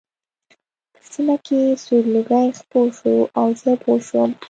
په سیمه کې سور لوګی خپور شو او زه پوه شوم